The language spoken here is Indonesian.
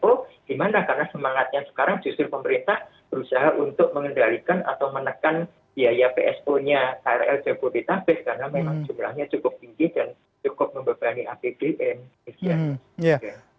cukup tinggi dan cukup membebani apt dan kci